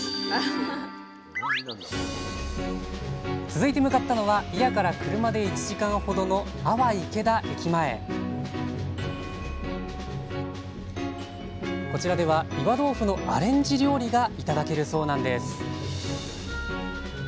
続いて向かったのは祖谷から車で１時間ほどの阿波池田駅前こちらでは岩豆腐のアレンジ料理が頂けるそうなんです